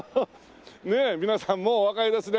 ねえ皆さんもうおわかりですね。